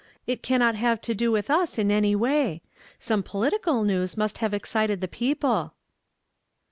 It cannot have to do with us in any way. Some political news must have excited the people."